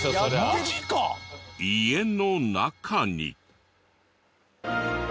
家の中に。